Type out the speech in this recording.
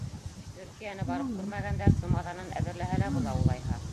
Төркиәне барып күрмәгәндәр сумаҙанын әҙерләһә лә була, улайһа.